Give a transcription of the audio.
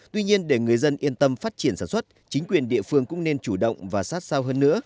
tuy nhiên để người dân yên tâm phát triển sản xuất chính quyền địa phương cũng nên chủ động và sát sao hơn nữa